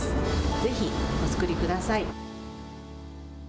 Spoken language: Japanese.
ぜひお作りください。